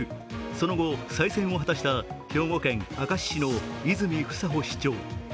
その後、再選を果たした兵庫県明石市の泉房穂市長。